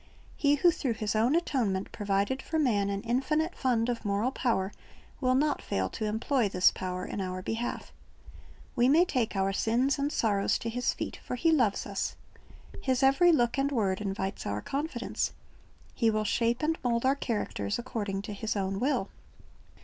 He who through His own atonement provided for man an infinite fund of moral power, will not fail to employ this power in our behalf We may take our sins and sorrows to His feet; for He loves us. His every look and word invites our confidence. He will shape and mold our characters according to His own will.